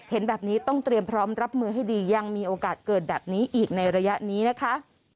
เห็นแบบนี้ต้องเตรียมพร้อมรับมือให้ดียังมีโอกาสเกิดแบบนี้อีกในระยะนี้นะคะ